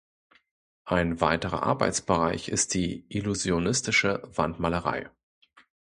Ein weiterer Arbeitsbereich ist die illusionistische Wandmalerei.